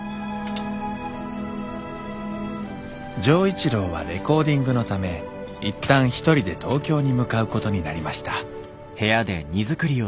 錠一郎はレコーディングのため一旦一人で東京に向かうことになりました